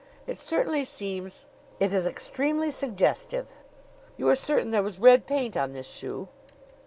It certainly seems It is extremely suggestive. You are certain there was red paint on this shoe?"